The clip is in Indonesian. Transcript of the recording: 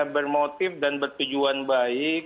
bermotif dan berpujuan baik